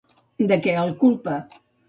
De què el culpa?